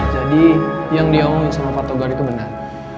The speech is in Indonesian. jadi yang dia omongin sama fatogari itu benar